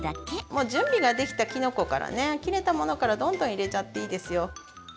もう準備ができたきのこからね、切れたものからどんどん入れちゃっていいですよ。